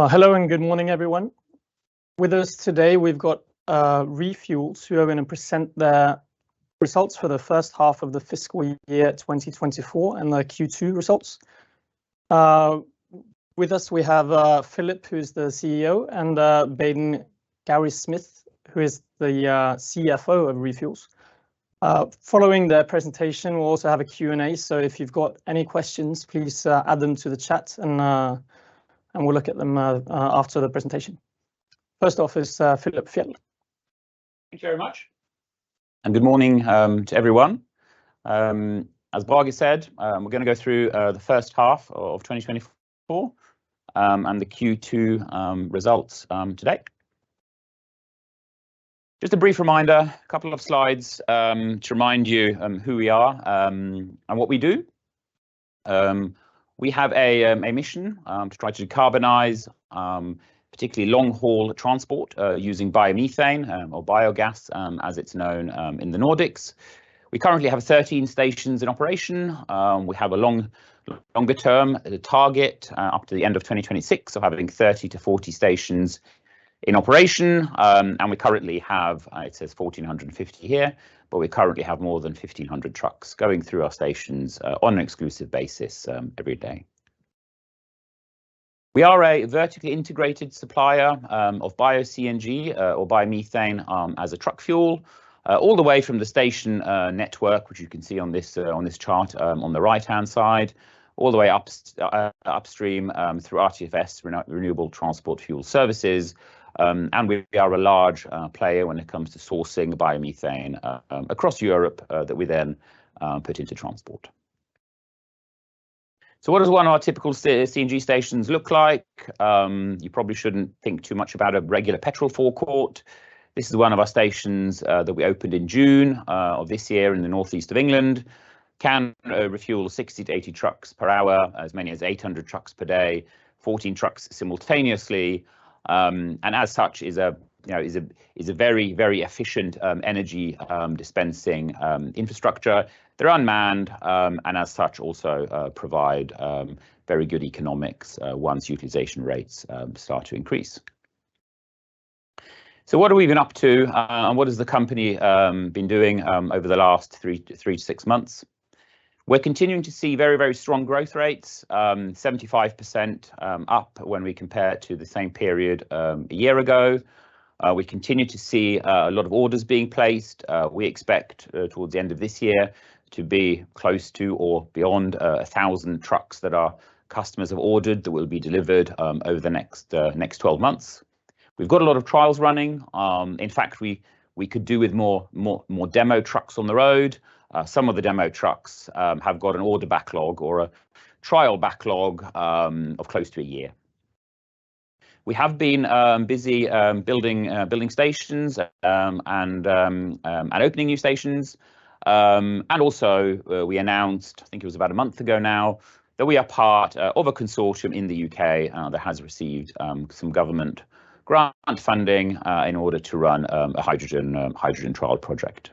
Well, hello, and good morning, everyone. With us today, we've got ReFuels, who are gonna present their results for the first half of the fiscal year 2024, and their Q2 results. With us, we have Philip, who's the CEO, and Baden Gowrie-Smith, who is the CFO of ReFuels. Following their presentation, we'll also have a Q&A, so if you've got any questions, please add them to the chat, and we'll look at them after the presentation. First off is Philip Fjeld. Thank you very much, and good morning to everyone. As Barg said, we're gonna go through the first half of 2024 and the Q2 results today. Just a brief reminder, a couple of slides to remind you who we are and what we do. We have a mission to try to decarbonize particularly long-haul transport using biomethane or biogas as it's known in the Nordics. We currently have 13 stations in operation. We have a longer-term target up to the end of 2026 of having 30-40 stations in operation. And we currently have... it says 1,450 here, but we currently have more than 1,500 trucks going through our stations on an exclusive basis every day. We are a vertically integrated supplier of Bio-CNG or biomethane as a truck fuel. All the way from the station network, which you can see on this on this chart on the right-hand side, all the way up upstream through RTFS, Renewable Transport Fuel Services. And we are a large player when it comes to sourcing biomethane across Europe that we then put into transport. So what does one of our typical CNG stations look like? You probably shouldn't think too much about a regular petrol forecourt. This is one of our stations that we opened in June of this year in the northeast of England. It can refuel 60-80 trucks per hour, as many as 800 trucks per day, 14 trucks simultaneously, and as such is a, you know, very, very efficient energy dispensing infrastructure. They're unmanned, and as such, also, provide very good economics once utilization rates start to increase. So what have we been up to, and what has the company been doing over the last 3-6 months? We're continuing to see very, very strong growth rates, 75% up when we compare to the same period a year ago. We continue to see a lot of orders being placed. We expect towards the end of this year to be close to or beyond 1,000 trucks that our customers have ordered, that will be delivered over the next 12 months. We've got a lot of trials running. In fact, we could do with more demo trucks on the road. Some of the demo trucks have got an order backlog or a trial backlog of close to a year. We have been busy building stations and opening new stations. And also, we announced, I think it was about a month ago now, that we are part of a consortium in the U.K. that has received some government grant funding in order to run a hydrogen trial project.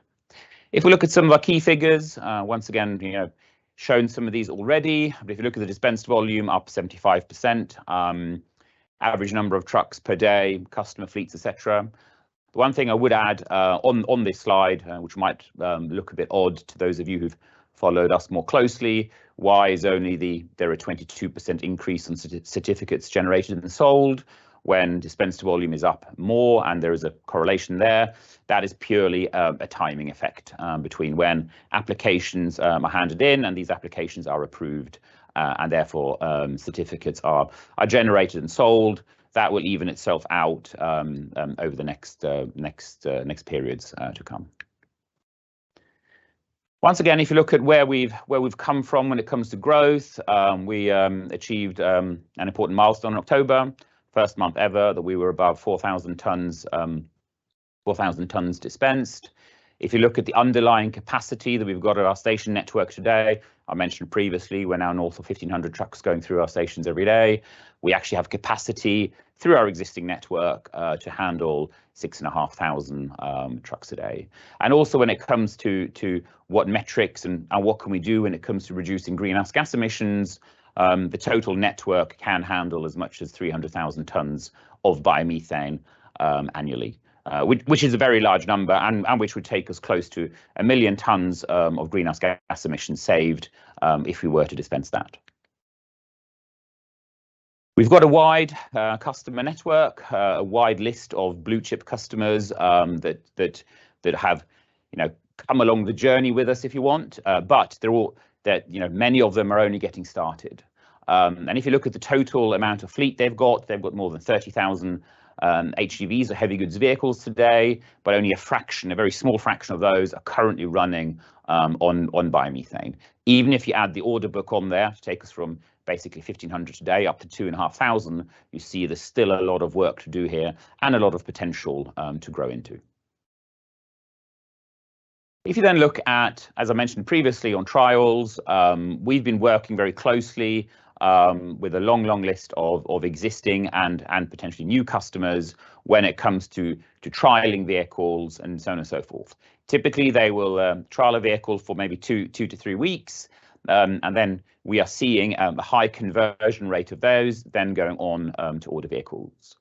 If we look at some of our key figures, once again, we have shown some of these already, but if you look at the dispensed volume up 75%, average number of trucks per day, customer fleets, et cetera. One thing I would add, on this slide, which might look a bit odd to those of you who've followed us more closely, why is there only a 22% increase in certificates generated and sold when dispensed volume is up more, and there is a correlation there? That is purely a timing effect between when applications are handed in and these applications are approved, and therefore certificates are generated and sold. That will even itself out over the next periods to come. Once again, if you look at where we've come from when it comes to growth, we achieved an important milestone in October. First month ever that we were above 4,000 tons, 4,000 tons dispensed. If you look at the underlying capacity that we've got at our station network today, I mentioned previously we're now north of 1,500 trucks going through our stations every day. We actually have capacity through our existing network to handle 6,500 trucks a day. Also, when it comes to what metrics and what can we do when it comes to reducing greenhouse gas emissions, the total network can handle as much as 300,000 tons of biomethane annually. Which is a very large number, and which would take us close to 1 million tons of greenhouse gas emissions saved if we were to dispense that. We've got a wide customer network, a wide list of blue-chip customers that have, you know, come along the journey with us, if you want. But, you know, many of them are only getting started. And if you look at the total amount of fleet they've got, they've got more than 30,000 HGVs, or heavy goods vehicles, today, but only a fraction, a very small fraction of those are currently running on biomethane. Even if you add the order book on there, to take us from basically 1,500 today up to 2,500, you see there's still a lot of work to do here and a lot of potential to grow into. If you then look at, as I mentioned previously, on trials, we've been working very closely with a long, long list of existing and potentially new customers when it comes to trialing vehicles and so on and so forth. Typically, they will trial a vehicle for maybe 2-3 weeks, and then we are seeing a high conversion rate of those then going on to order vehicles.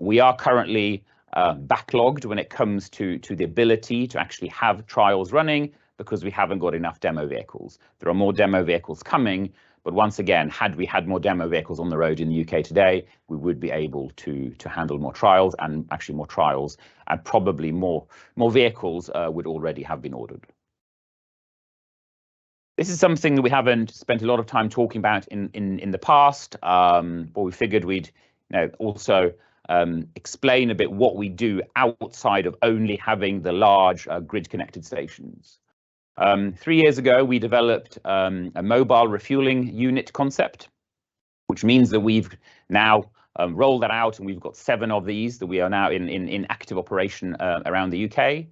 We are currently backlogged when it comes to the ability to actually have trials running because we haven't got enough demo vehicles. There are more demo vehicles coming, but once again, had we had more demo vehicles on the road in the U.K. today, we would be able to handle more trials, and actually more trials and probably more vehicles would already have been ordered. This is something that we haven't spent a lot of time talking about in the past, but we figured we'd, you know, also explain a bit what we do outside of only having the large grid-connected stations. Three years ago, we developed a mobile refueling unit concept, which means that we've now rolled that out, and we've got seven of these that we are now in active operation around the U.K.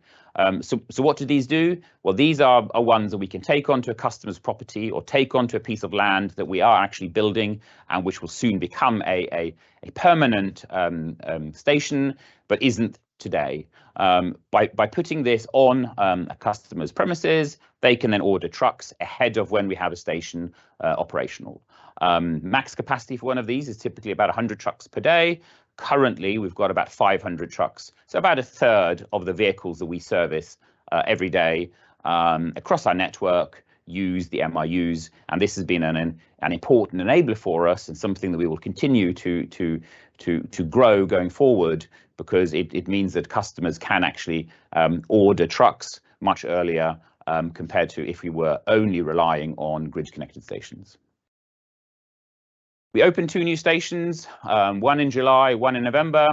So what do these do? Well, these are ones that we can take onto a customer's property or take onto a piece of land that we are actually building, and which will soon become a permanent station, but isn't today. By putting this on a customer's premises, they can then order trucks ahead of when we have a station operational. Max capacity for one of these is typically about 100 trucks per day. Currently, we've got about 500 trucks, so about a third of the vehicles that we service every day across our network, use the MRUs, and this has been an important enabler for us and something that we will continue to grow going forward because it means that customers can actually order trucks much earlier compared to if we were only relying on grid-connected stations. We opened two new stations, one in July, one in November.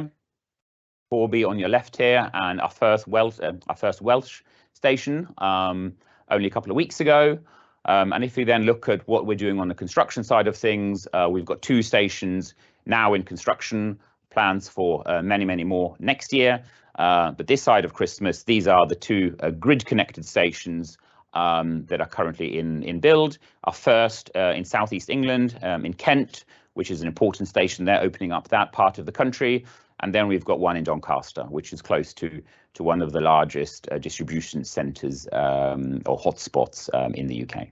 Corby on your left here, and our first Welsh... Our first Welsh station only a couple of weeks ago. And if you then look at what we're doing on the construction side of things, we've got two stations now in construction, plans for many, many more next year. But this side of Christmas, these are the two grid-connected stations that are currently in build. Our first in Southeast England in Kent, which is an important station there, opening up that part of the country. And then we've got one in Doncaster, which is close to one of the largest distribution centers or hotspots in the U.K.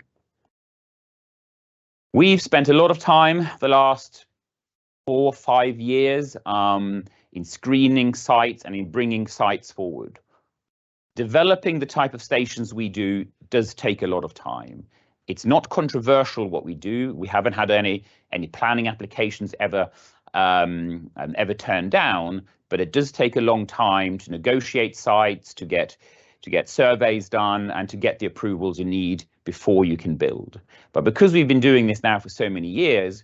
We've spent a lot of time the last 4-5 years in screening sites and in bringing sites forward. Developing the type of stations we do does take a lot of time. It's not controversial what we do. We haven't had any planning applications ever turned down, but it does take a long time to negotiate sites, to get surveys done, and to get the approvals you need before you can build. But because we've been doing this now for so many years,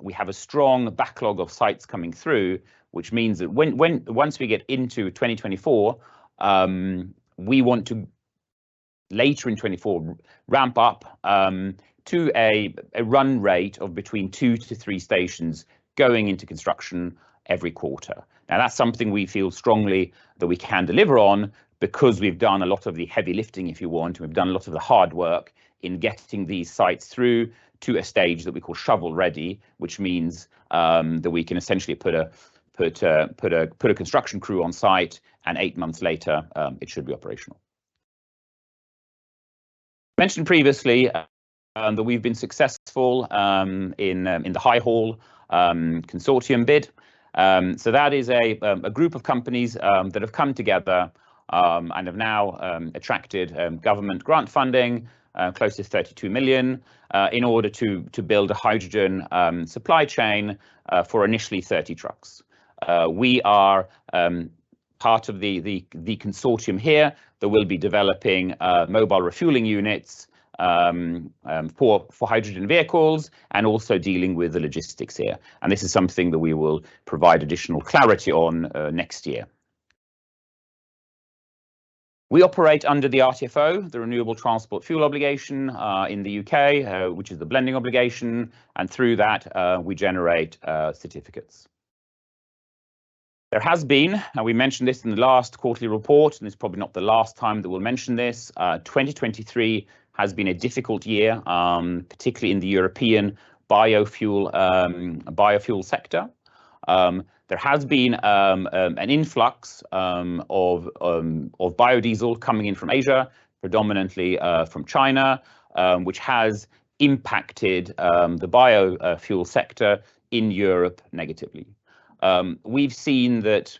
we have a strong backlog of sites coming through, which means that once we get into 2024, we want to, later in 2024, ramp up, to a run rate of between 2-3 stations going into construction every quarter. Now, that's something we feel strongly that we can deliver on because we've done a lot of the heavy lifting, if you want, and we've done a lot of the hard work in getting these sites through to a stage that we call shovel ready, which means that we can essentially put a construction crew on site, and eight months later, it should be operational. Mentioned previously that we've been successful in the HyHaul consortium bid. So that is a group of companies that have come together and have now attracted government grant funding close to 32 million in order to build a hydrogen supply chain for initially 30 trucks. We are part of the consortium here that will be developing mobile refueling units for hydrogen vehicles and also dealing with the logistics here. And this is something that we will provide additional clarity on next year. We operate under the RTFO, the Renewable Transport Fuel Obligation, in the U.K., which is the blending obligation, and through that, we generate certificates. There has been, and we mentioned this in the last quarterly report, and it's probably not the last time that we'll mention this, 2023 has been a difficult year, particularly in the European biofuel biofuel sector. There has been an influx of biodiesel coming in from Asia, predominantly from China, which has impacted the biofuel sector in Europe negatively. We've seen that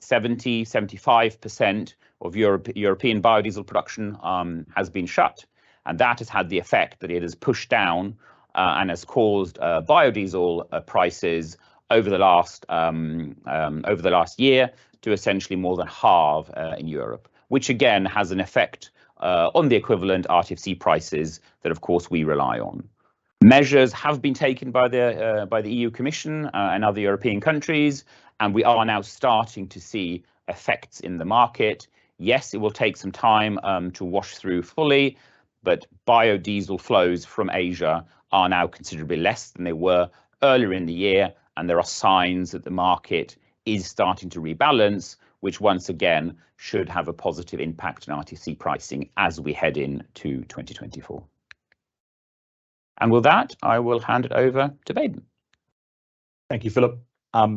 70%-75% of European biodiesel production has been shut, and that has had the effect that it has pushed down and has caused biodiesel prices over the last year to essentially more than halve in Europe. Which again has an effect on the equivalent RTFC prices that, of course, we rely on. Measures have been taken by the E.U. Commission and other European countries, and we are now starting to see effects in the market. Yes, it will take some time to wash through fully, but biodiesel flows from Asia are now considerably less than they were earlier in the year, and there are signs that the market is starting to rebalance, which once again should have a positive impact on RTFC pricing as we head into 2024... and with that, I will hand it over to Baden. Thank you, Philip.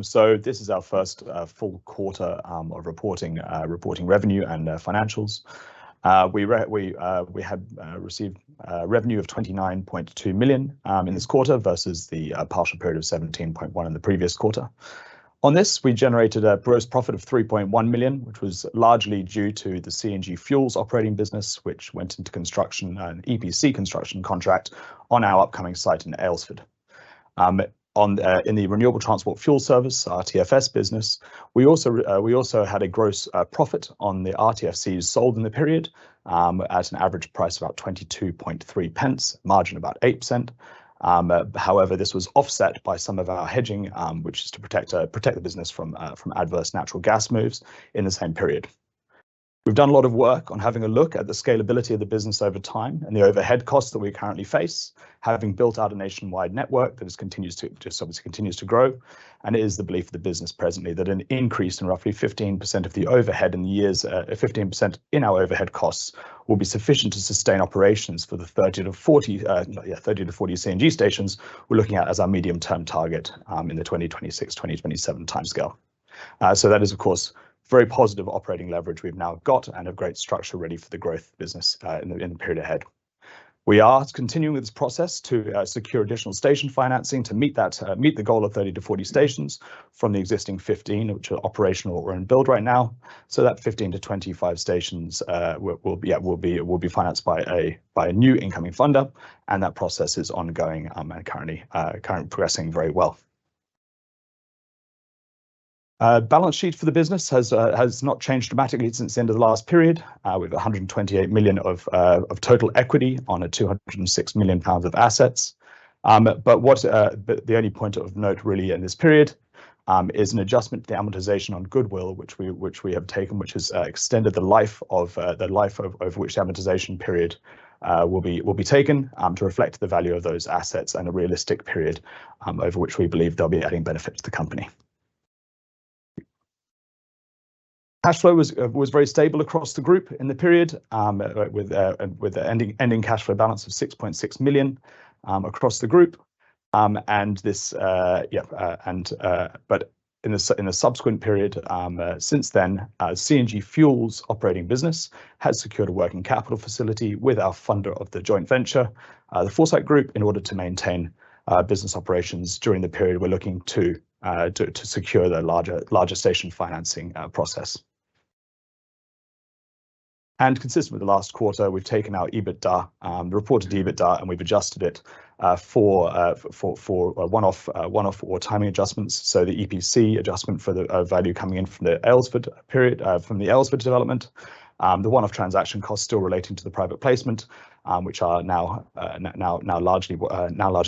So this is our first full quarter of reporting revenue and financials. We had received revenue of 29.2 million in this quarter, versus the partial period of 17.1 in the previous quarter. On this, we generated a gross profit of 3.1 million, which was largely due to the CNG Fuels operating business, which went into construction, an EPC construction contract, on our upcoming site in Aylesford. In the Renewable Transport Fuel Service, RTFS business, we also had a gross profit on the RTFCs sold in the period, at an average price of about 0.223, margin about 8%. However, this was offset by some of our hedging, which is to protect the business from adverse natural gas moves in the same period. We've done a lot of work on having a look at the scalability of the business over time and the overhead costs that we currently face, having built out a nationwide network that continues to grow. It is the belief of the business presently that an increase in roughly 15% of the overhead in the years, 15% in our overhead costs, will be sufficient to sustain operations for the 30-40 CNG stations we're looking at as our medium-term target, in the 2026, 2027 timescale. So that is, of course, very positive operating leverage we've now got and a great structure ready for the growth business in the period ahead. We are continuing with this process to secure additional station financing to meet the goal of 30-40 stations from the existing 15, which are operational or in build right now. So that 15-25 stations will be financed by a new incoming funder, and that process is ongoing and currently progressing very well. Balance sheet for the business has not changed dramatically since the end of the last period. We've 128 million of total equity on a 206 million pounds of assets. But what... But the only point of note, really, in this period, is an adjustment to the amortization on goodwill, which we have taken, which has extended the life over which the amortization period will be taken, to reflect the value of those assets and a realistic period over which we believe they'll be adding benefit to the company. Cash flow was very stable across the group in the period, with the ending cash flow balance of 6.6 million across the group. And this, yeah, and, but in the subsequent period, since then, CNG Fuels operating business has secured a working capital facility with our funder of the joint venture, the Foresight Group, in order to maintain business operations during the period we're looking to, to, to secure the larger, larger station financing process. And consistent with the last quarter, we've taken our EBITDA, the reported EBITDA, and we've adjusted it for one-off or timing adjustments, so the EPC adjustment for the value coming in from the Aylesford period, from the Aylesford development, the one-off transaction costs still relating to the private placement, which are now largely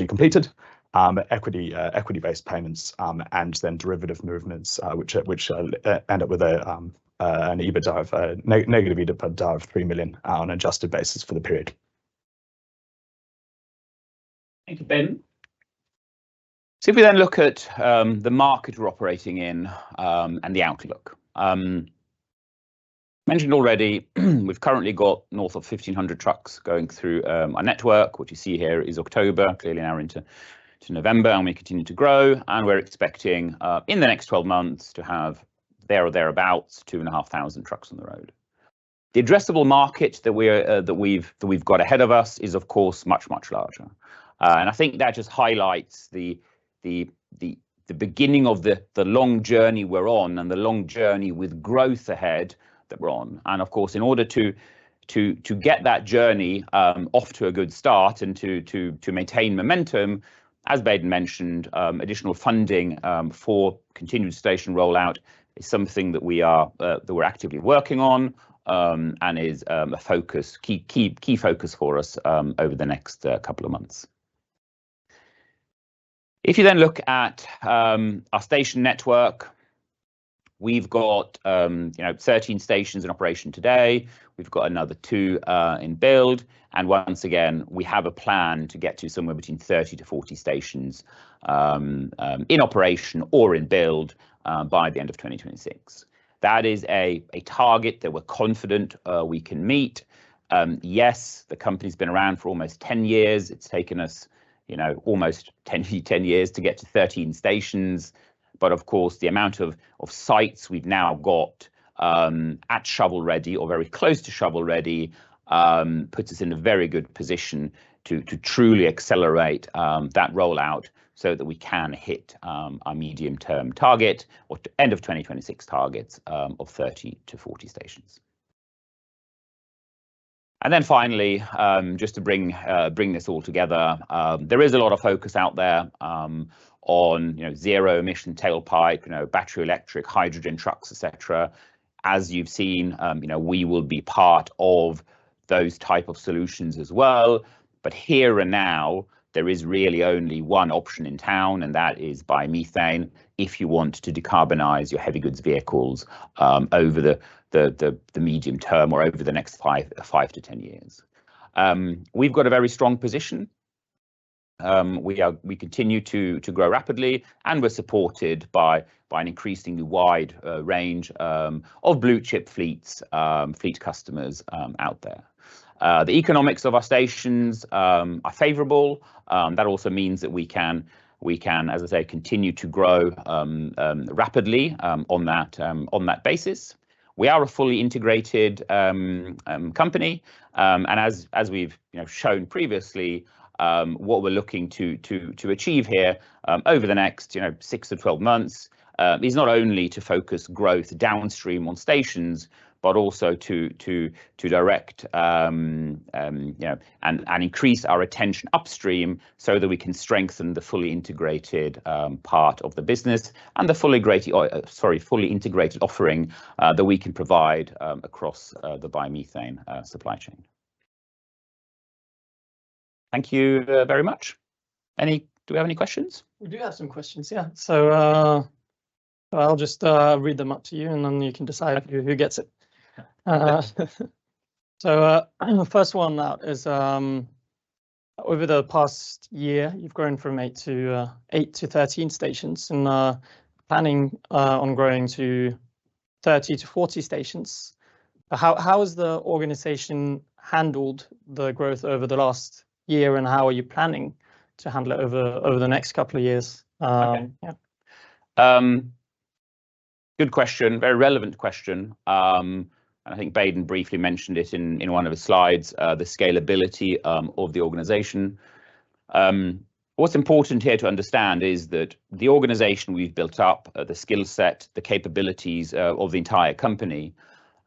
completed, equity-based payments, and then derivative movements, which end up with a negative EBITDA of 3 million on an adjusted basis for the period. Thank you, Baden. So if we then look at the market we're operating in and the outlook. Mentioned already, we've currently got north of 1,500 trucks going through our network. What you see here is October, clearly now into November, and we continue to grow, and we're expecting in the next 12 months to have there or thereabouts 2,500 trucks on the road. The addressable market that we've got ahead of us is, of course, much larger. And I think that just highlights the beginning of the long journey we're on and the long journey with growth ahead that we're on. Of course, in order to get that journey off to a good start and to maintain momentum, as Baden mentioned, additional funding for continued station rollout is something that we're actively working on, and is a key focus for us over the next couple of months. If you then look at our station network, we've got, you know, 13 stations in operation today. We've got another two in build, and once again, we have a plan to get to somewhere between 30-40 stations in operation or in build by the end of 2026. That is a target that we're confident we can meet. Yes, the company's been around for almost 10 years. It's taken us, you know, almost 10, 10 years to get to 13 stations. But of course, the amount of, of sites we've now got, at shovel-ready or very close to shovel-ready, puts us in a very good position to, to truly accelerate, that rollout, so that we can hit, our medium-term target, or end of 2026 targets, of 30-40 stations. Then finally, just to bring, bring this all together, there is a lot of focus out there, on, you know, zero-emission tailpipe, you know, battery, electric, hydrogen trucks, et cetera. As you've seen, you know, we will be part of those type of solutions as well. But here and now, there is really only one option in town, and that is biomethane if you want to decarbonize your heavy goods vehicles over the medium term or over the next 5-10 years. We've got a very strong position. We continue to grow rapidly, and we're supported by an increasingly wide range of blue-chip fleets, fleet customers out there. The economics of our stations are favorable. That also means that we can, as I say, continue to grow rapidly on that basis. We are a fully integrated company. As we've, you know, shown previously, what we're looking to achieve here over the next 6-12 months is not only to focus growth downstream on stations, but also to direct, you know, and increase our attention upstream so that we can strengthen the fully integrated part of the business, and the fully integrated, or sorry, fully integrated offering that we can provide across the biomethane supply chain. Thank you very much. Do we have any questions? We do have some questions, yeah. So, I'll just read them out to you, and then you can decide who gets it. Yeah. So, the first one out is: over the past year, you've grown from 8-13 stations, and planning on growing to 30-40 stations. How has the organization handled the growth over the last year, and how are you planning to handle it over the next couple of years? Okay. Yeah. Good question. Very relevant question. And I think Baden briefly mentioned it in one of the slides, the scalability of the organization. What's important here to understand is that the organization we've built up, the skill set, the capabilities of the entire company,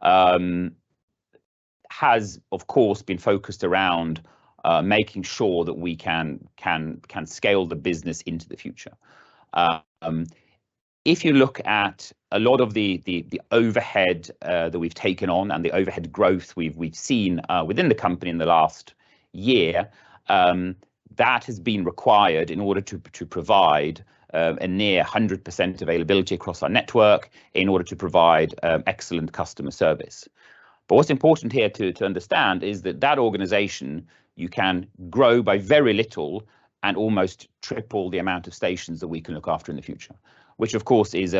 has, of course, been focused around making sure that we can scale the business into the future. If you look at a lot of the overhead that we've taken on and the overhead growth we've seen within the company in the last year, that has been required in order to provide a near 100% availability across our network, in order to provide excellent customer service. But what's important here to understand is that that organization you can grow by very little and almost triple the amount of stations that we can look after in the future, which, of course, is,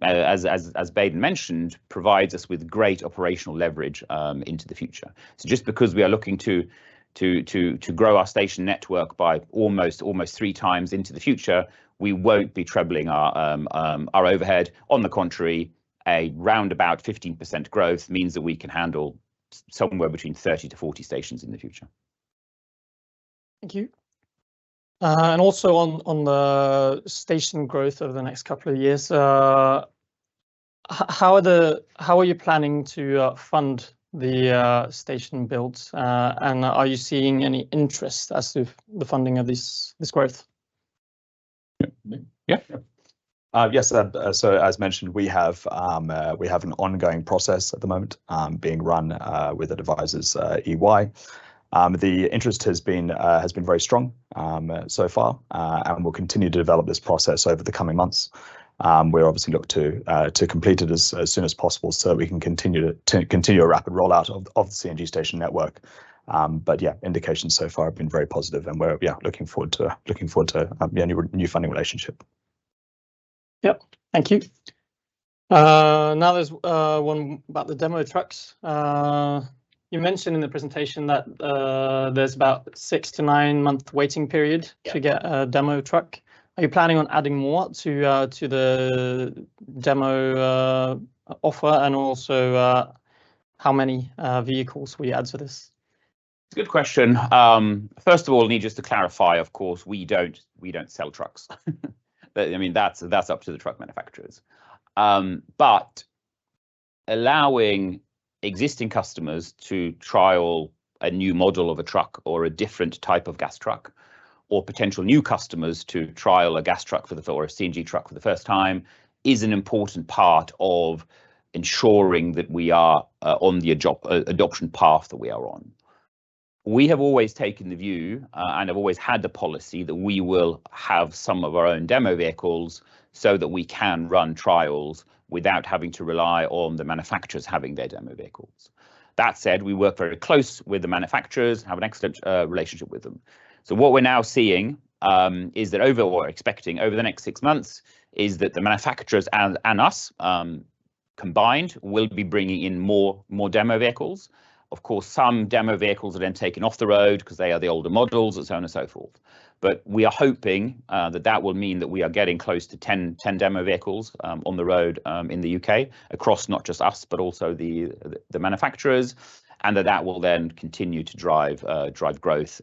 as Baden mentioned, provides us with great operational leverage into the future. So just because we are looking to grow our station network by almost 3x into the future, we won't be troubling our overhead. On the contrary, a roundabout 15% growth means that we can handle somewhere between 30-40 stations in the future. Thank you. And also on the station growth over the next couple of years, how are you planning to fund the station builds, and are you seeing any interest as to the funding of this growth? Yeah. Yeah. Yes, and so, as mentioned, we have an ongoing process at the moment, being run with the advisors, EY. The interest has been very strong so far, and we'll continue to develop this process over the coming months. We obviously look to complete it as soon as possible, so we can continue a rapid rollout of the CNG station network. But yeah, indications so far have been very positive, and we're looking forward to any new funding relationship. Yep, thank you. Now there's one about the demo trucks. You mentioned in the presentation that there's about 6-9 month waiting period- Yeah... to get a demo truck. Are you planning on adding more to the demo offer, and also, how many vehicles will you add for this? Good question. First of all, I need just to clarify, of course, we don't, we don't sell trucks. But, I mean, that's, that's up to the truck manufacturers. But allowing existing customers to trial a new model of a truck or a different type of gas truck, or potential new customers to trial a gas truck for the or a CNG truck for the first time, is an important part of ensuring that we are on the adoption path that we are on. We have always taken the view and have always had the policy that we will have some of our own demo vehicles, so that we can run trials without having to rely on the manufacturers having their demo vehicles. That said, we work very close with the manufacturers, have an excellent relationship with them. So what we're now seeing or expecting over the next six months is that the manufacturers and us combined will be bringing in more demo vehicles. Of course, some demo vehicles are being taken off the road, 'cause they are the older models, and so on and so forth. But we are hoping that that will mean that we are getting close to 10 demo vehicles on the road in the U.K., across not just us, but also the manufacturers, and that will then continue to drive growth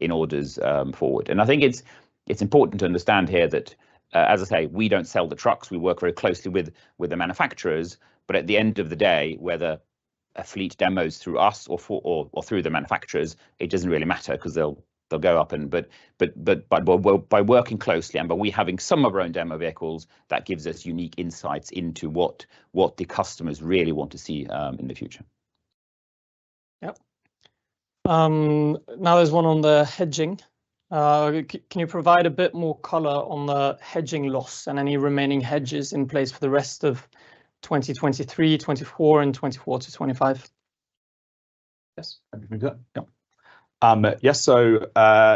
in orders forward. And I think it's important to understand here that, as I say, we don't sell the trucks. We work very closely with the manufacturers. But at the end of the day, whether a fleet demos through us or through the manufacturers, it doesn't really matter, 'cause they'll go up and... But, well, by working closely and by we having some of our own demo vehicles, that gives us unique insights into what the customers really want to see in the future. Yep. Now there's one on the hedging. Can you provide a bit more color on the hedging loss and any remaining hedges in place for the rest of 2023, 2024, and 2024 to 2025?... Yes, happy to do that. Yep. Yes, so,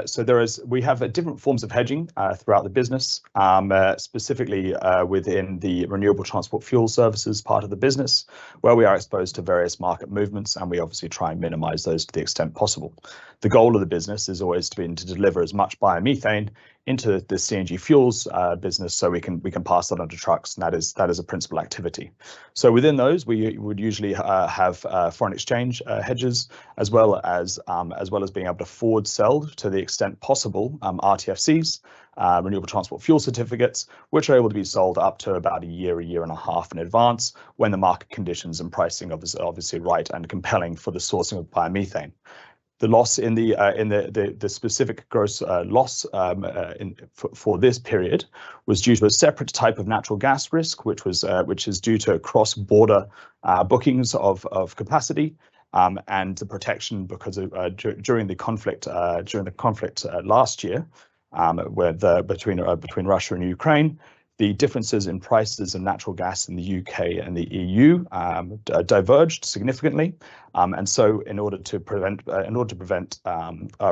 so there is, we have, different forms of hedging throughout the business, specifically within the Renewable Transport Fuel Services part of the business, where we are exposed to various market movements, and we obviously try and minimize those to the extent possible. The goal of the business has always been to deliver as much biomethane into the CNG Fuels business, so we can, we can pass that on to trucks, and that is, that is a principal activity. So within those, we would usually have foreign exchange hedges as well as as well as being able to forward sell to the extent possible RTFCs, renewable transport fuel certificates, which are able to be sold up to about a year, a year and a half in advance when the market conditions and pricing obviously right and compelling for the sourcing of biomethane. The loss in the specific gross loss in for this period was due to a separate type of natural gas risk, which was which is due to cross-border bookings of of capacity and to protection because during the conflict during the conflict last year where the between between Russia and Ukraine, the differences in prices in natural gas in the U.K. and the E.U. diverged significantly. And so in order to prevent in order to prevent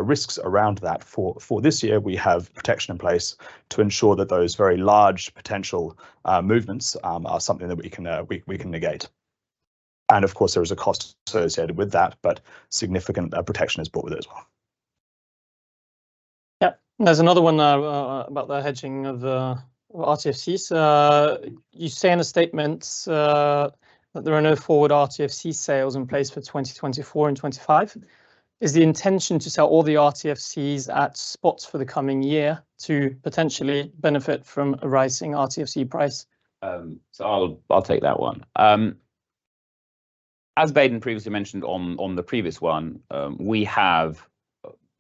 risks around that for for this year, we have protection in place to ensure that those very large potential movements are something that we can we we can negate. Of course, there is a cost associated with that, but significant protection is bought with it as well. Yeah. There's another one about the hedging of, well, RTFCs. You say in a statement that there are no forward RTFC sales in place for 2024 and 2025. Is the intention to sell all the RTFCs at spots for the coming year to potentially benefit from a rising RTFC price? So I'll take that one. As Baden previously mentioned on the previous one, we have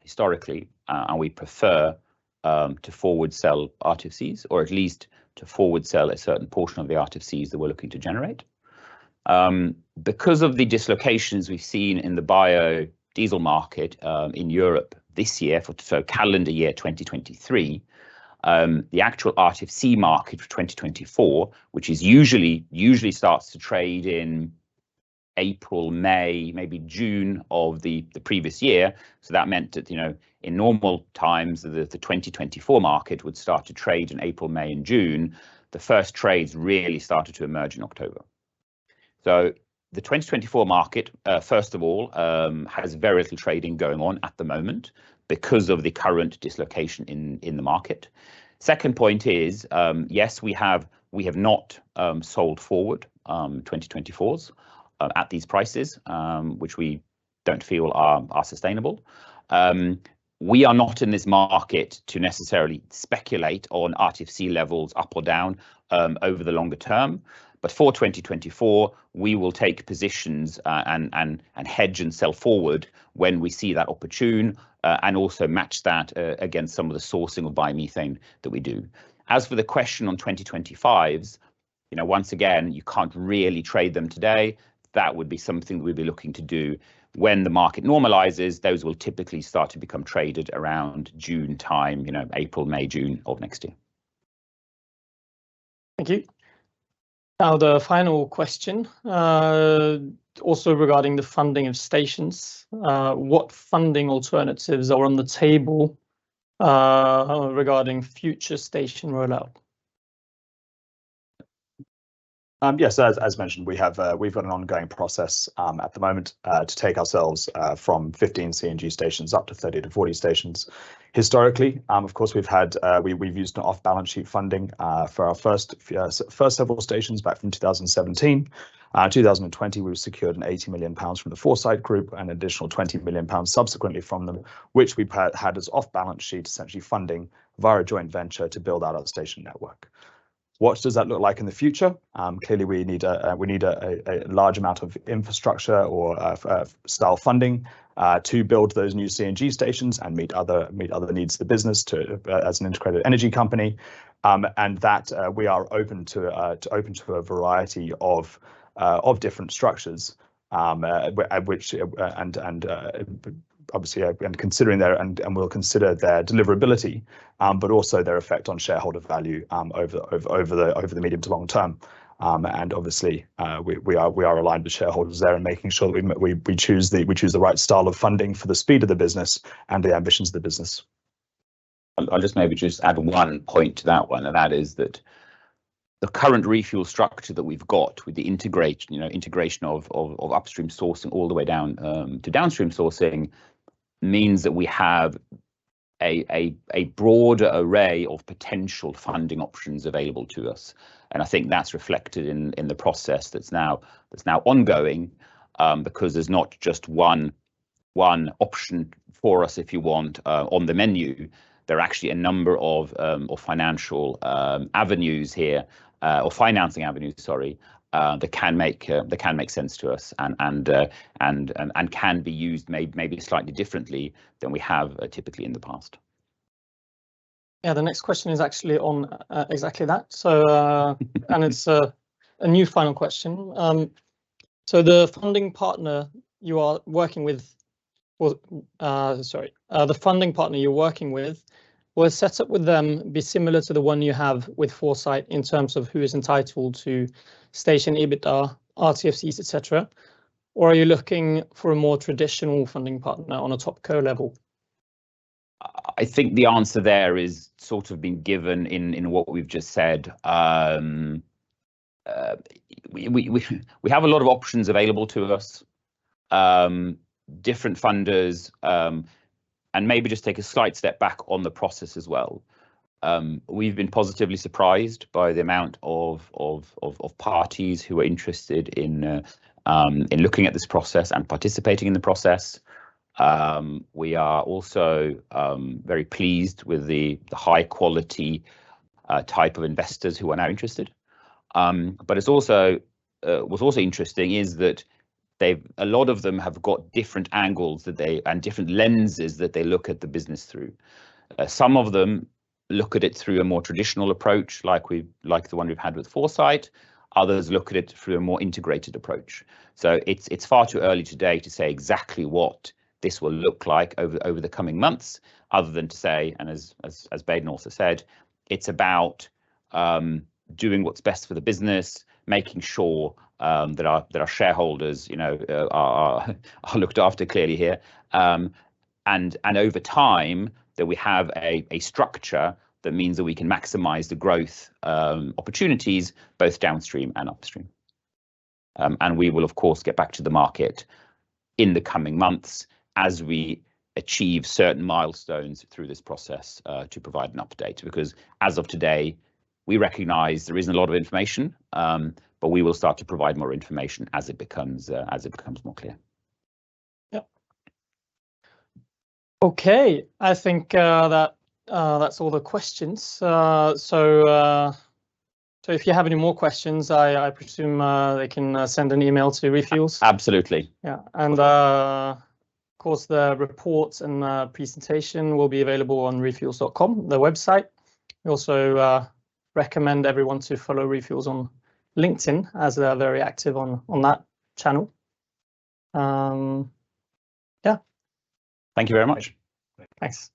historically and we prefer to forward sell RTFCs, or at least to forward sell a certain portion of the RTFCs that we're looking to generate. Because of the dislocations we've seen in the biodiesel market in Europe this year, for calendar year 2023, the actual RTFC market for 2024, which usually starts to trade in April, May, maybe June of the previous year. So that meant that, you know, in normal times, the 2024 market would start to trade in April, May, and June. The first trades really started to emerge in October. So the 2024 market, first of all, has very little trading going on at the moment because of the current dislocation in the market. Second point is, yes, we have not sold forward 2024s at these prices, which we don't feel are sustainable. We are not in this market to necessarily speculate on RTFC levels up or down over the longer term, but for 2024, we will take positions and hedge and sell forward when we see that opportune and also match that against some of the sourcing of biomethane that we do. As for the question on 2025s, you know, once again, you can't really trade them today. That would be something we'd be looking to do when the market normalizes. Those will typically start to become traded around June time, you know, April, May, June of next year. Thank you. Now, the final question, also regarding the funding of stations. What funding alternatives are on the table, regarding future station rollout? Yes, as mentioned, we've got an ongoing process at the moment to take ourselves from 15 CNG stations up to 30-40 stations. Historically, of course, we've used off-balance sheet funding for our first several stations back from 2017. 2020, we secured 80 million pounds from the Foresight Group and additional 20 million pounds subsequently from them, which we had as off-balance sheet, essentially funding via a joint venture to build out our station network. What does that look like in the future? Clearly, we need a large amount of infrastructure or style funding to build those new CNG stations and meet other needs of the business as an integrated energy company. And that we are open to a variety of different structures, and obviously we'll consider their deliverability, but also their effect on shareholder value over the medium to long term. And obviously, we are aligned with shareholders there and making sure that we choose the right style of funding for the speed of the business and the ambitions of the business. I'll just maybe just add one point to that one, and that is that the current ReFuels structure that we've got with the integration, you know, integration of upstream sourcing all the way down to downstream sourcing, means that we have a broad array of potential funding options available to us. And I think that's reflected in the process that's now ongoing, because there's not just one option for us, if you want, on the menu. There are actually a number of financial avenues here, or financing avenues, sorry, that can make sense to us and can be used maybe slightly differently than we have typically in the past. Yeah, the next question is actually on exactly that. So, and it's a new final question. So the funding partner you're working with, will the set up with them be similar to the one you have with Foresight in terms of who is entitled to station EBITDA, RTFCs, et cetera, or are you looking for a more traditional funding partner on a top co level? I think the answer there is sort of been given in what we've just said. We have a lot of options available to us. Different funders, and maybe just take a slight step back on the process as well. We've been positively surprised by the amount of parties who are interested in looking at this process and participating in the process. We are also very pleased with the high quality type of investors who are now interested. But it's also, what's also interesting is that they've a lot of them have got different angles that they, and different lenses that they look at the business through. Some of them look at it through a more traditional approach, like the one we've had with Foresight, others look at it through a more integrated approach. So it's far too early today to say exactly what this will look like over the coming months, other than to say, and as Baden also said, it's about doing what's best for the business, making sure that our shareholders, you know, are looked after clearly here. And over time, that we have a structure that means that we can maximize the growth opportunities both downstream and upstream. And we will, of course, get back to the market in the coming months as we achieve certain milestones through this process to provide an update. Because as of today, we recognize there isn't a lot of information, but we will start to provide more information as it becomes more clear. Yep. Okay, I think that that's all the questions. So if you have any more questions, I presume they can send an email to ReFuels? Absolutely. Yeah. And of course, the reports and presentation will be available on refuels.com, the website. We also recommend everyone to follow ReFuels on LinkedIn, as they are very active on that channel. Yeah. Thank you very much. Thanks.